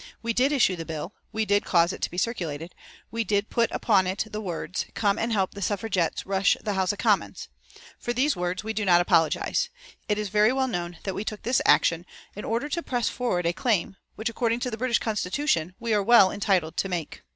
We did issue the bill; we did cause it to be circulated; we did put upon it the words 'Come and help the suffragettes rush the House of Commons.' For these words we do not apologise. It is very well known that we took this action in order to press forward a claim, which, according to the British constitution, we are well entitled to make."